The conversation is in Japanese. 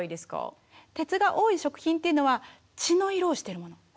鉄が多い食品というのは血の色をしてるもの。